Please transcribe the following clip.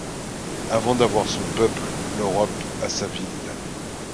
Avant d'avoir son peuple, l'Europe a sa ville.